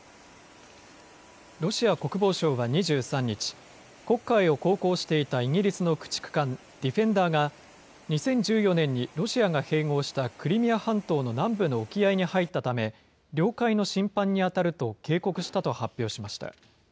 ロシア国防省は２３日、黒海を航行していたイギリスの駆逐艦ディフェンダーが、２０１４年にロシアが併合したクリミア半島の南部の沖合に入ったため、領海の侵犯に当たると警告したと発表しました。